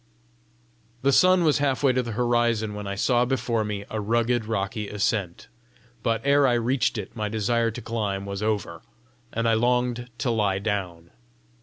The sun was half way to the horizon when I saw before me a rugged rocky ascent; but ere I reached it my desire to climb was over, and I longed to lie down.